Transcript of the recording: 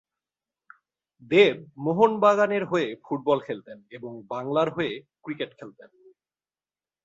দেব মোহন বাগানের হয়ে ফুটবল খেলতেন, এবং বাংলার হয়ে ক্রিকেট খেলতেন।